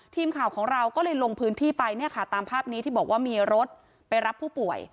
ทีมข่าวของเราก็เลยลงพื้นที่ไปเนี่ยค่ะตามภาพนี้ที่บอกว่ามีรถไปรับผู้ป่วย